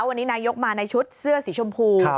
วันนี้นายกมาในชุดเสื้อสีชมพู